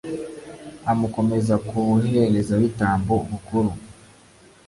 amukomeza ku buherezabitambo bukuru